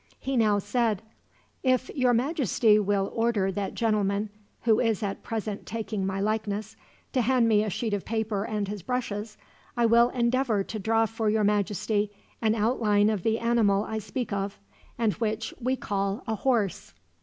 He now said: "If your Majesty will order that gentleman, who is at present taking my likeness, to hand me a sheet of paper and his brushes, I will endeavor to draw for your Majesty an outline of the animal I speak of, and which we call a horse."